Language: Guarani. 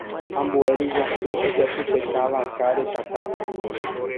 ambue ryguasu ojatypeka vaka rekakápe